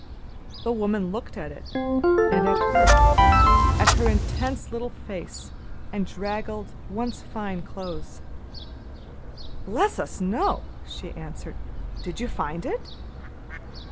The woman looked at it and at her at her intense little face and draggled, once fine clothes. "Bless us no," she answered. "Did you find it?"